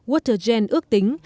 watergen ước tính